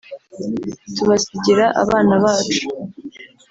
tubasigira abana bacu